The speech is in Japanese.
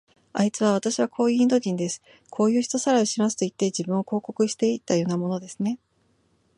あいつは、わたしはこういうインド人です。こういう人さらいをしますといって、自分を広告していたようなものですね。